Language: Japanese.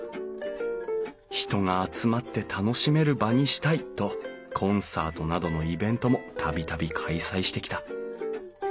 人が集まって楽しめる場にしたいとコンサートなどのイベントも度々開催してきた。